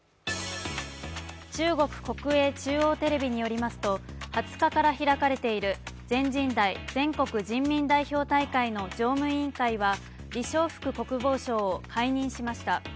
中国国営中央テレビによりますと、２０日から開かれている全人代＝全国人民代表大会の常務委員会は李尚福国防相を解任しました。